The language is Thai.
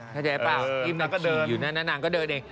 เข้าใจไหมอ่ะนี่นางขี่อยู่นางก็เดินเอง